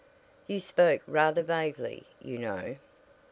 "You spoke rather vaguely, you know."